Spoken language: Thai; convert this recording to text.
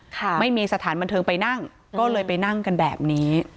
ค่ะไม่มีสถานบันเทิงไปนั่งก็เลยไปนั่งกันแบบนี้